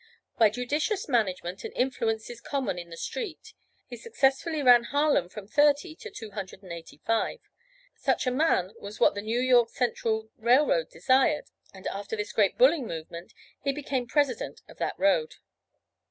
By judicious management and influences common in 'The street,' he successfully ran Harlem from thirty to two hundred and eighty five. Such a man was just what the New York Central railroad desired, and after this great 'bulling' movement he became President of that road.